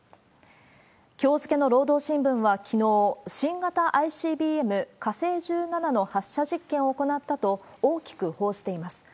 きょう付けの労働新聞はきのう、新型ＩＣＢＭ、火星１７の発射実験を行ったと、大きく報じています。